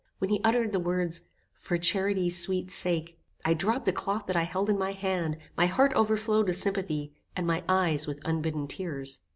When he uttered the words "for charity's sweet sake," I dropped the cloth that I held in my hand, my heart overflowed with sympathy, and my eyes with unbidden tears.